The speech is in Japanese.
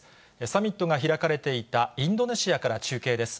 サミットが開かれていたインドネシアから中継です。